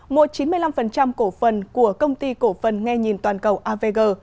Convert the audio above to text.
mua chín mươi năm cổ phần của công ty cổ phần nghe nhìn toàn cầu avg